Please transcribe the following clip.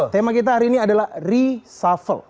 tema kita hari ini adalah reshuffle